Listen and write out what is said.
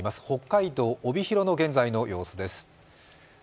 北海道帯広の現在の様子です。